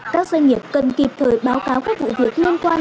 các doanh nghiệp cần kịp thời báo cáo các vụ việc liên quan